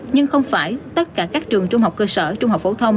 nhưng không phải tất cả các trường trung học cơ sở trung học phổ thông